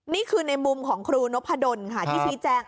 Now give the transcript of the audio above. นี่คือในมุมของครูนพะดนท์ที่สีแจง